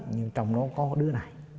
nhưng trong nó có đứa này